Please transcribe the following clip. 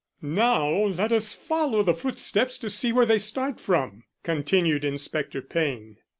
"Now let us follow the footsteps to see where they start from," continued Inspector Payne.